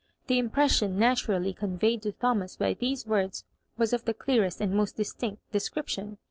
The impression naturally conveyed to Thomas by these words was of the clearest and most distinct description.